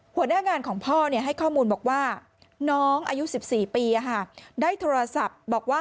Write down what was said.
หัวหน้างานของพ่อให้ข้อมูลบอกว่าน้องอายุ๑๔ปีได้โทรศัพท์บอกว่า